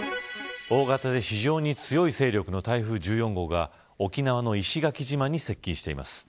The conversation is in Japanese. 大型で非常に強い勢力の台風１４号が沖縄の石垣島に接近しています。